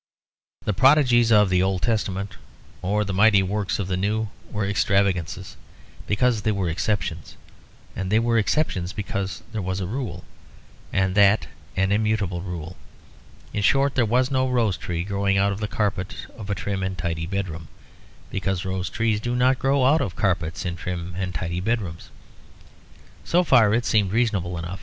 The prodigies of the Old Testament or the mighty works of the New were extravagances because they were exceptions; and they were exceptions because there was a rule, and that an immutable rule. In short, there was no rose tree growing out of the carpet of a trim and tidy bedroom; because rose trees do not grow out of carpets in trim and tidy bedrooms. So far it seemed reasonable enough.